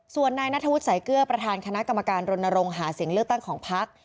ส่วนนายนัทธวุฒิสายเกลือประธานคณะกรรมการรณรงค์หาเสียงเลือกตั้งของพัก